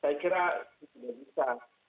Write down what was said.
saya kira itu sudah bisa